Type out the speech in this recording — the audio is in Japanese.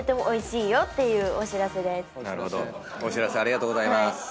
おいしい。